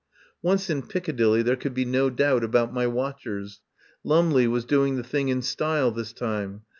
Once in Piccadilly there could be no doubt about my watchers. Lumley was doing the thing in style this time.